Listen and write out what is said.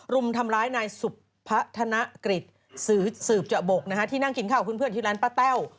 รุมทำร้ายนายสุพัฒนกฤษสืบเจาะบกที่นั่งกินข้าวกับเพื่อนที่ร้านป้าแต้ว